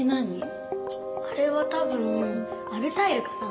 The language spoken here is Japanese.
あれは多分アルタイルかな。